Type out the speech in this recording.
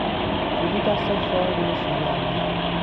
جولی دستش را روی شانهام نهاد.